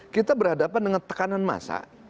kita berhadapan dengan tekanan massa